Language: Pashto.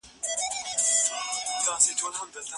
دا بحث دوام لري.